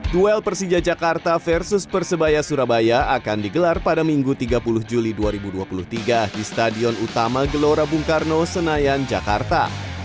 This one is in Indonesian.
duel persija jakarta versus persebaya surabaya akan digelar pada minggu tiga puluh juli dua ribu dua puluh tiga di stadion utama gelora bung karno senayan jakarta